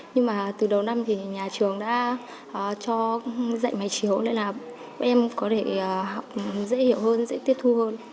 nhưng mà từ đầu năm thì nhà trường đã cho dạy máy chiếu nên là bọn em có thể học dễ hiểu hơn dễ tiết thu hơn